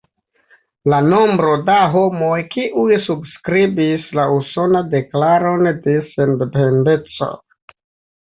La nombro da homoj kiuj subskribis la Usonan Deklaron de Sendependeco.